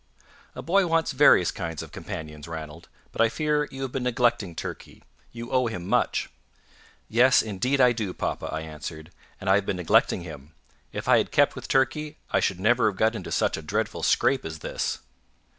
"A boy wants various kinds of companions, Ranald, but I fear you have been neglecting Turkey. You owe him much." "Yes, indeed I do, papa," I answered; "and I have been neglecting him. If I had kept with Turkey, I should never have got into such a dreadful scrape as this."